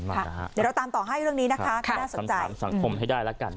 เดี๋ยวเราตามต่อให้เรื่องนี้นะคะถ้าน่าสนใจ